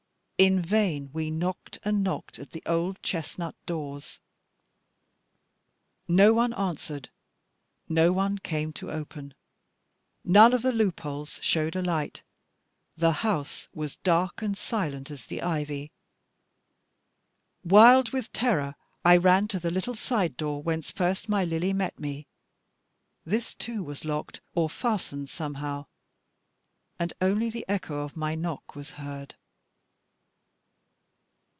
In vain we knocked and knocked at the old chesnut doors; no one answered, no one came to open. None of the loopholes showed a light; the house was dark and silent as the ivy. Wild with terror I ran to the little side door, whence first my Lily met me. This too was locked, or fastened somehow; and only the echo of my knock was heard.